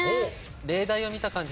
例題を見た感じ